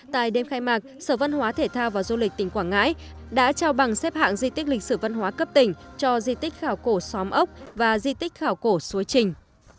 tại đêm khai mạc sở văn hóa thể thao và du lịch tỉnh quảng ngãi đã trao bằng xếp hạng di tích lịch sử văn hóa cấp tỉnh cho di tích khảo cổ xóm ốc và di tích khảo cổ suối trình